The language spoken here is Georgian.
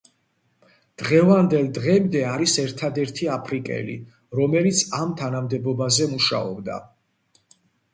დღევანდელ დღემდე არის ერთადერთი აფრიკელი, რომელიც ამ თანამდებობაზე მუშაობდა.